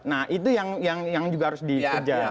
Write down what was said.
nah itu yang juga harus dikerjakan